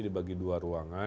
dibagi dua ruang